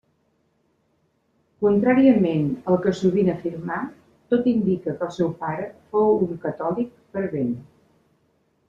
Contràriament al que sovint afirmà, tot indica que el seu pare fou un catòlic fervent.